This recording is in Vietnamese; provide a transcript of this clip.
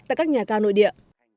tại các nhà ga nội địa